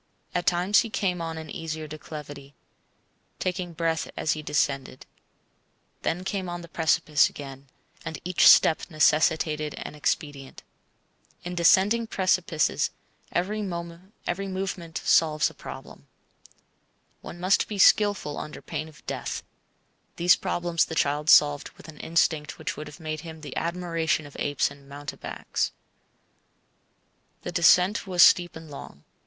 At times he came on an easier declivity, taking breath as he descended; then came on the precipice again, and each step necessitated an expedient. In descending precipices, every movement solves a problem. One must be skilful under pain of death. These problems the child solved with an instinct which would have made him the admiration of apes and mountebanks. The descent was steep and long.